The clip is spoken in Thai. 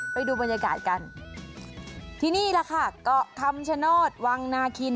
ไปดูบรรยากาศกันที่นี่แหละค่ะเกาะคำชโนธวังนาคิน